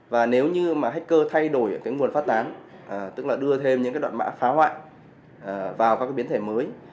và nếu như hacker thay đổi nguồn phát tán tức là đưa thêm những đoạn mã phá hoại vào các biến thể mới